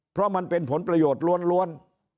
เพราะมันเป็นผลประโยชน์ล้วน